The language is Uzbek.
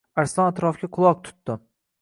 Arslon atrofga quloq tutdi.